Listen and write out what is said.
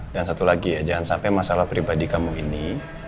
dan satu lagi ya jangan sampai masalah pribadi kamu ini